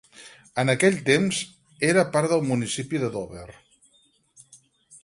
En aquell temps, era part del municipi de Dover.